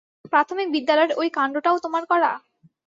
প্রাথমিক বিদ্যালয়ের ঐ কান্ডটাও তোমার করা?